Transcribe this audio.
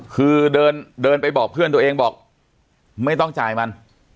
คือเดินไปบอกเพื่อนตัวเองบอกไม่ต้องจ่ายมัน